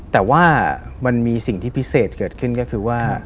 แต่ว่ามันมีสิ่งที่พิเศษเกิดขึ้นก็คือว่า